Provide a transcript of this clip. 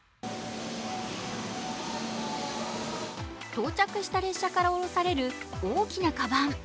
到着した列車から降ろされる大きなかばん。